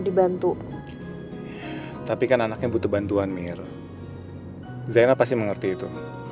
dibantu tapi kan anaknya butuh bantuan mir zaina pasti mengerti itu